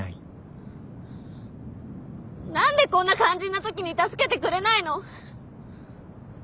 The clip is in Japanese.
何でこんな肝心な時に助けてくれないの？